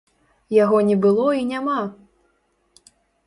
Яго не было і няма!